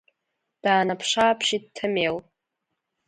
Даанаԥшы-ааԥшит Ҭамел.